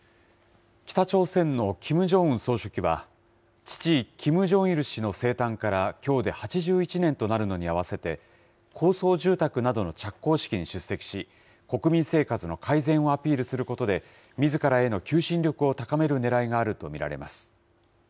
北朝鮮のキム・ジョンウン総書記は、父、キム・ジョンイル氏の生誕からきょうで８１年となるのに合わせて、高層住宅などの着工式に出席し、国民生活の改善をアピールすることで、みずからへの求心力を高めるねらいがあると見られます。